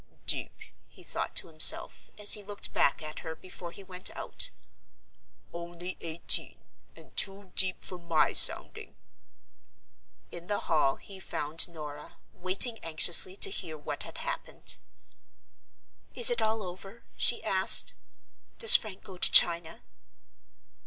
"Deep!" he thought to himself, as he looked back at her before he went out; "only eighteen; and too deep for my sounding!" In the hall he found Norah, waiting anxiously to hear what had happened. "Is it all over?" she asked. "Does Frank go to China?"